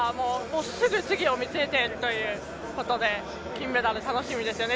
すぐ、次を見据えているということで金メダル楽しみですよね。